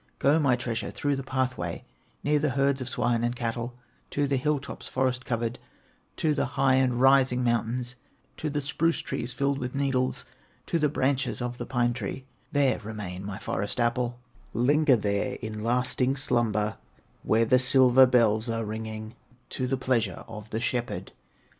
Go, my treasure, through the pathway Near the herds of swine and cattle, To the hill tops forest covered, To the high and rising mountains, To the spruce trees filled with needles, To the branches of the pine tree; There remain, my Forest apple, Linger there in lasting slumber, Where the silver bells are ringing, To the pleasure of the shepherd."